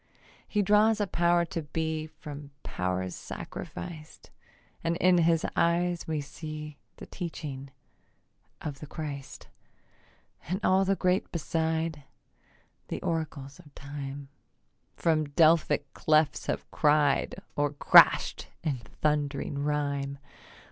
He draws a power to be From powers sacrificed; And in his eyes we see The teaching of the Christ, And all the great beside, The oracles of time From Delphic clefts have cried Or crasht in thundering rhyme.